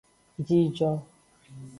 Jijo.